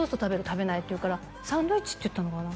「食べない」って言うからサンドイッチって言ったのかな？